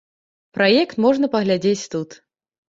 Праект можна паглядзець тут.